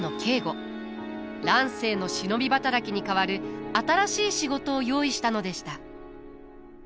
乱世の忍び働きに代わる新しい仕事を用意したのでした。